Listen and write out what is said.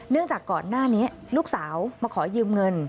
จากก่อนหน้านี้ลูกสาวมาขอยืมเงิน